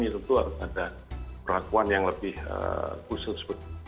tentu harus ada perlakuan yang lebih khusus